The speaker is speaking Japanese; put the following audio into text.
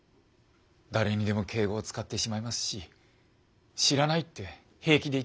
誰にでも敬語を使ってしまいますし「知らない」って平気で言ってしまうし。